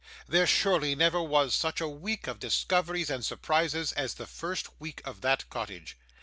There surely never was such a week of discoveries and surprises as the first week of that cottage.